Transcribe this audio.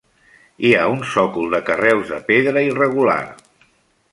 Hi ha un sòcol de carreus de pedra irregular.